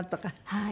はい。